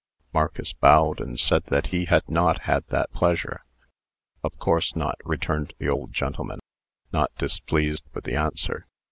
Marcus bowed, and said that he had not had that pleasure. "Of course not," returned the old gentleman, not displeased with the answer.